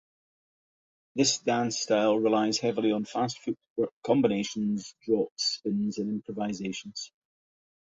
This dance style relies heavily on fast footwork combinations, drops, spins and improvisations.